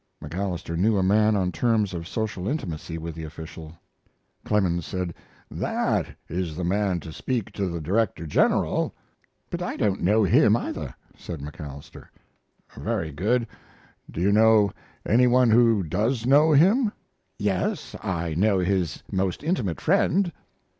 MacAlister knew a man on terms of social intimacy with the official. Clemens said, "That is the man to speak to the Director General." "But I don't know him, either," said MacAlister. "Very good. Do you know any one who does know him?" "Yes, I know his most intimate friend."